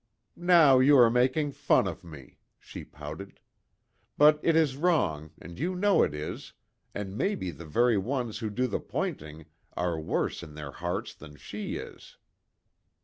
"Now, you are making fun of me," she pouted, "But it is wrong, and you know it is, and maybe the very ones who do the pointing are worse in their hearts than she is."